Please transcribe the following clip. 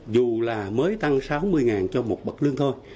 dù là mới tăng sáu mươi cho một bậc lương thôi